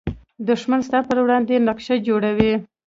دښمن ستا پر وړاندې نقشه جوړوي